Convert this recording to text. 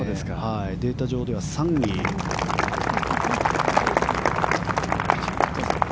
データ上では３位です。